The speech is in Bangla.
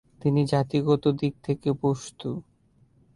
তিনি জাতিগত দিক থেকে পশতু।